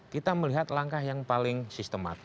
kita melihat langkah yang paling sistemat